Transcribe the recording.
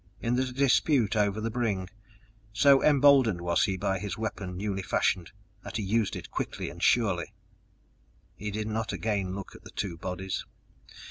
In the dispute over the bring, so emboldened was he by his weapon newly fashioned that he used it quick and surely. He did not again look at the two bodies!